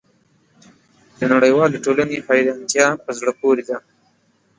د نړیوالې ټولنې حیرانتیا په زړه پورې ده.